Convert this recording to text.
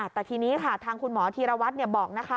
แต่ทีนี้ค่ะทางคุณหมอธีรวัตรบอกนะคะ